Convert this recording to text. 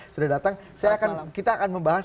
sudah datang kita akan membahas